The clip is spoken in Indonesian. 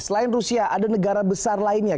selain rusia ada negara besar lainnya